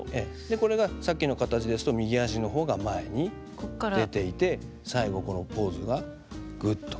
これがさっきの形ですと右足の方が前に出ていて最後このポーズがぐっとねじる。